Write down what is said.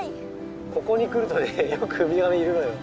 ここに来るとねよくウミガメいるのよ。